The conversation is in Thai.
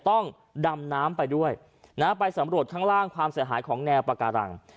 ต้องดำน้ำไปด้วยนะฮะไปสำรวจข้างล่างความเสียหายของแนวปาการัง